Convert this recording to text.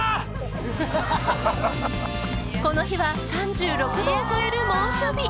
この日は３６度を超える猛暑日。